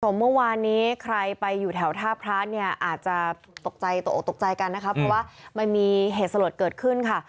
เมื่อวานนี้ใครไปอยู่แถวท่าพระเนี่ยอาจจะตกใจตกออกตกใจกันนะคะเพราะว่ามันมีเหตุสลดเกิดขึ้นค่ะ